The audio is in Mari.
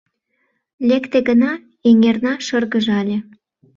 Лекте гына — эҥерна шыргыжале.